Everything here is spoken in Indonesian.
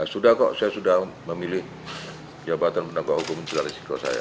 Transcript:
sudah kok saya sudah memilih jabatan pendagang hukum secara risiko saya